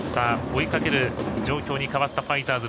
追いかける状況に変わったファイターズ。